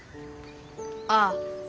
ああ。